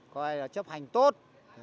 coi là chấp hành tốt